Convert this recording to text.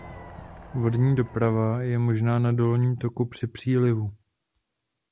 Vodní doprava je možná na dolním toku při přílivu.